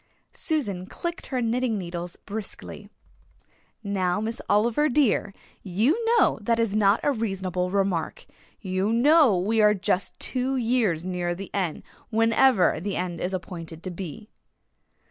Susan clicked her knitting needles briskly. "Now, Miss Oliver, dear, you know that is not a reasonable remark. You know we are just two years nearer the end, whenever the end is appointed to be."